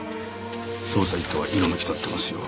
捜査一課は色めき立ってますよ。